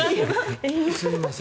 すいません。